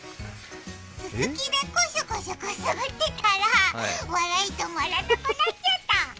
すすきでこしょこしょくすぐってたら笑い止まらなくなっちゃった。